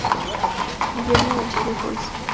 Guillermo González Ruiz.